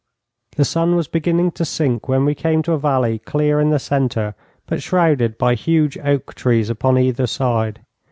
The sun was beginning to sink when we came to a valley clear in the centre, but shrouded by huge oak trees upon either side.